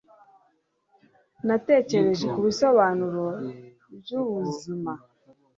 natekereje kubisobanuro byubuzima